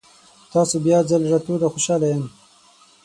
تاسو بیا ځل راتلو ته خوشحال یم.